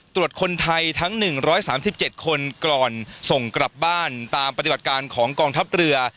ตรวจคนไทยทั้ง๑๓๗คนก่อนส่งกลับบ้านตามปฏิบัติการของกองทัพเรือ